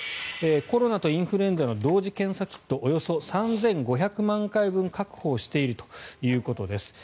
コロナとインフルエンザの同時検査キットおよそ３５００万回分確保をしているということです。